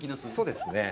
そうですね。